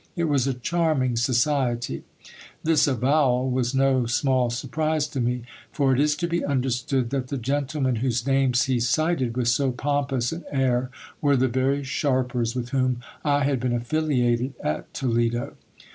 It was a charming society ! This avowal was no small surprise to me, for it is to be understood, HISTOR Y OF DO.V RAPHAEL. 171 that the gentlemen whose names he cited with so pompous an air were the very sharpers with whom I had been affiliated at Toledo.